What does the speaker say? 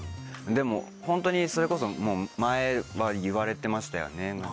でもホントにそれこそ前は言われてましたよね